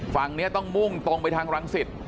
ฝั่งนี้ต้องมุ่งตรงไปทางรังสิต